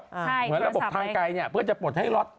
เหมือนระบบทางไกลเนี่ยเพื่อจะปลดให้ล็อต